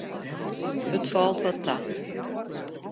It falt wat ta.